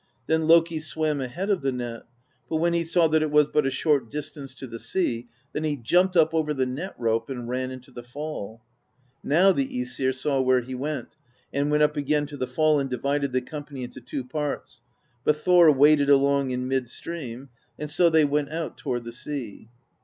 Then Loki swam ahead of the net; but when he saw that it was but a short dis tance to the sea, then he jumped up over the net rope and ran into the fall. Now the ^Esir saw where he went, and went up again to the fall and divided the company into two parts, but Thor waded along in mid stream; and so they went out toward the sea.